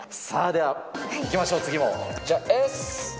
さあ、ではいきましょう、じゃあ、Ｓ。